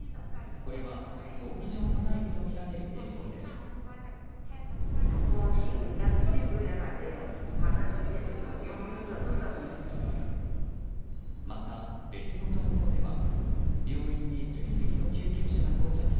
これは、葬儀場の内部とみられる映像です。